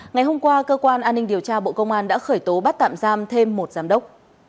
ngày hôm qua cơ quan an ninh điều tra bộ công an đã khởi tố bắt tạm giam thêm một giám đốc